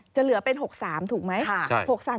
เหลือเป็น๖๓ถูกไหม